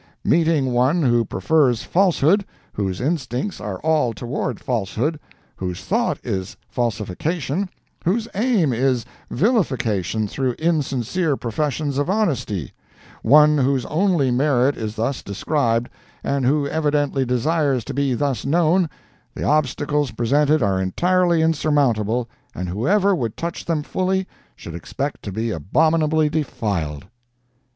Meeting one who prefers falsehood; whose instincts are all toward falsehood; whose thought is falsification; whose aim is vilification through insincere professions of honesty; one whose only merit is thus described, and who evidently desires to be thus known, the obstacles presented are entirely insurmountable, and whoever would touch them fully, should expect to be abominably defiled."